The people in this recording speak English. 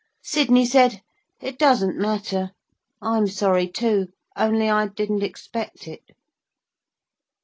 Sidney said, 'It doesn't matter. I'm sorry too. Only I didn't expect it.'